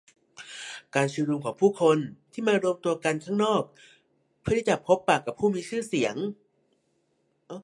การชุมนุมของผู้คนที่มารวมตัวกันข้างนอกเพื่อที่จะพบปะกับผู้มีชื่อเสียง